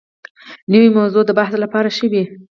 نوې موضوع د بحث لپاره ښه وي